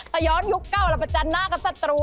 ถ้าย้อนยุคเก่าเราประจันหน้ากับศัตรู